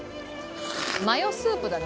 マヨスープだね。